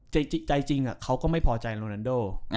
ใจจริงเขาก็ไม่พอใจโรนันโด